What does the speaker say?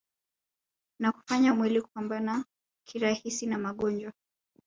na kufanya mwili kupambana kirahisi na magonjwa